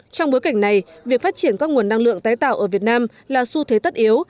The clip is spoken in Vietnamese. trong bối cảnh này việc phát triển các nguồn năng lượng tái tạo ở việt nam là xu thế tất yếu